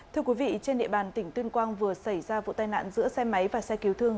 thưa quý vị trên địa bàn tỉnh tuyên quang vừa xảy ra vụ tai nạn giữa xe máy và xe cứu thương